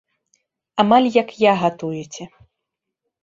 Амаль як я гатуеце.